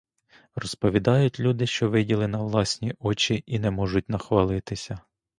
Розповідають люди, що виділи на власні очі, і не можуть нахвалитися.